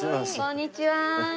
こんにちは。